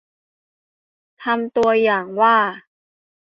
เป็นตัวอย่างว่า